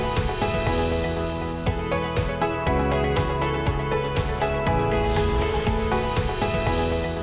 jadi saya tidak pernah melihat teman teman saya yang berpengalaman